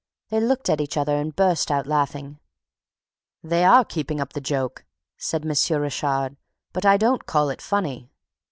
They looked at each other and burst out laughing. "They are keeping up the joke," said M. Richard, "but I don't call it funny."